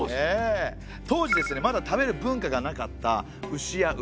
当時ですねまだ食べる文化がなかった牛や馬。